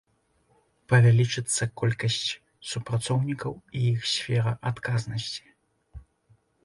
Павялічыцца колькасць супрацоўнікаў і іх сфера адказнасці.